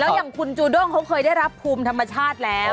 อย่างคุณจูด้งเขาเคยได้รับภูมิธรรมชาติแล้ว